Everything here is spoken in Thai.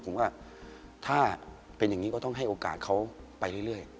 ผมว่าถ้าเป็นอย่างนี้ก็ต้องให้โอกาสเขาไปเรื่อย